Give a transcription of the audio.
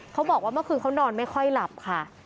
เขาบอกว่าเมื่อคืนเขานอนไม่ค่อยหลับค่ะ